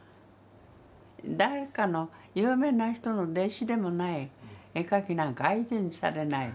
誰かの有名な人の弟子でもない絵描きなんか相手にされない。